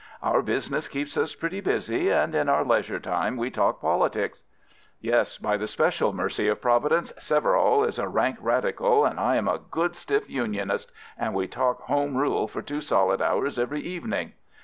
"Our business keeps us pretty busy, and in our leisure time we talk politics." "Yes, by the special mercy of Providence Severall is a rank Radical and I am a good stiff Unionist, and we talk Home Rule for two solid hours every evening."